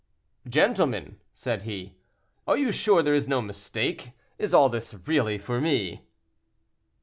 "Gentlemen," said he, "are you sure there is no mistake? is all this really for me?"